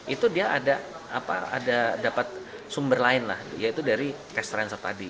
itu dia ada dapat sumber lain lah yaitu dari cash transfer tadi